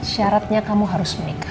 syaratnya kamu harus menikah